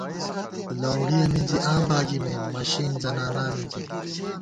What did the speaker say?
لَؤڑِیَہ مِنزِی آں باگِمېم، مشِئېن زنانا مِنزِی